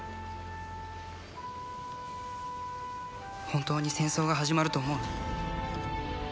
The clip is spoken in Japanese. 本当に戦争が始まると思う？